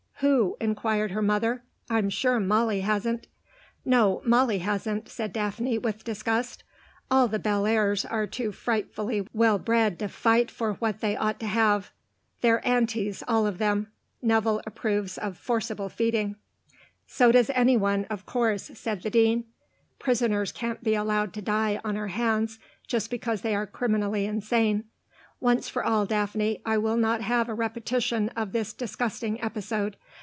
"Who?" inquired her mother. "I'm sure Molly hasn't." "No, Molly hasn't," said Daphne, with disgust. "All the Bellairs' are too frightfully well bred to fight for what they ought to have. They're antis, all of them. Nevill approves of forcible feeding." "So does anyone, of course," said the Dean. "Prisoners can't be allowed to die on our hands just because they are criminally insane. Once for all, Daphne, I will not have a repetition of this disgusting episode.